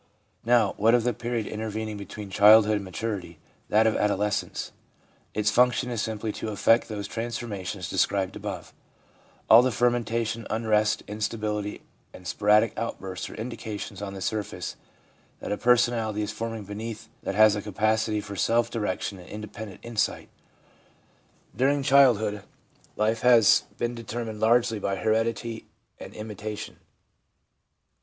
Now, what of the period intervening between child hood and maturity, that of adolescence? Its function is simply to effect those transformations described above. All the fermentation, unrest, instability and sporadic outbursts are indications on the surface that a personality is forming beneath that has capacity for self direction and independent insight. During child hood, life has been determined largely by heredity and imitation.